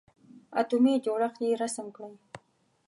اتومي جوړښت یې رسم کړئ.